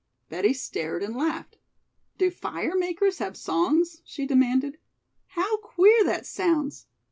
Betty stared and laughed. "Do fire makers have songs?" she demanded. "How queer that sounds!